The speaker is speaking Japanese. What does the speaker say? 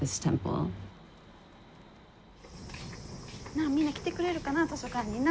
なあみんな来てくれるかな図書館にな。